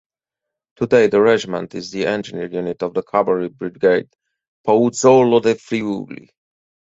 Today the regiment is the engineer unit of the Cavalry Brigade "Pozzuolo del Friuli".